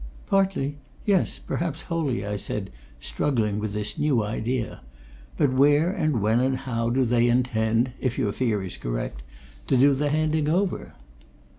"Partly yes, perhaps wholly," I said, struggling with this new idea. "But where and when and how do they intend if your theory's correct to do the handing over?"